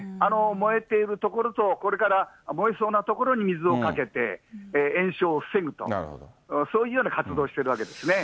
燃えている所と、これから燃えそうな所に水をかけて、延焼を防ぐと、そういうような活動をしているわけですね。